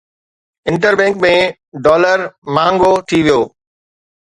inter bank ۾ dollar مهانگو ٿي ويو